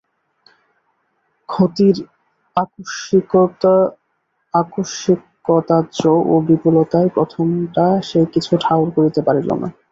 ক্ষতির আকস্মিকতায্য ও বিপুলতায় প্রথমটা সে কিছু ঠাহর করিতে পারিল না।